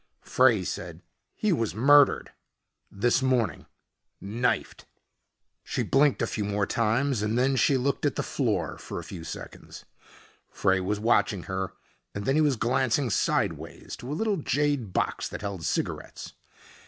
Frey said, "He was murdered this morning. Knifed." She blinked a few more times and then she looked at the floor for a few seconds. Frey was watching her and then he was glancing sideways to a little jade box that held cigarettes.